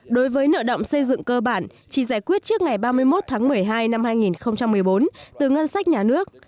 đối với nợ động xây dựng cơ bản chỉ giải quyết trước ngày ba mươi một tháng một mươi hai năm hai nghìn một mươi bốn từ ngân sách nhà nước